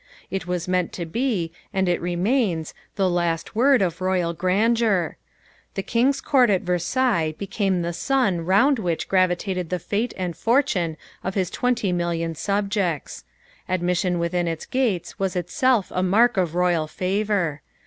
It was meant to be, and it remains, the last word of royal grandeur. The King's court at Versailles became the sun round which gravitated the fate and fortune of his twenty million subjects. Admission within its gates was itself a mark of royal favour.